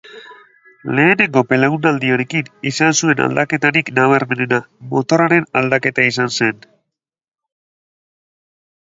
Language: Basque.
Lehenengo belaunaldiarekin izan zuen aldaketarik nabarmenena motorraren aldaketa izan zen.